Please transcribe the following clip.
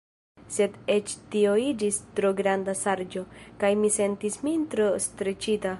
Sed eĉ tio iĝis tro granda ŝarĝo kaj mi sentis min tro streĉita.